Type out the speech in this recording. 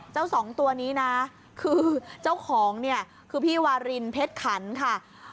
เจ้าสองตัวนี้นะคือเจ้าของพี่วารินเพชรขันใช่ไหม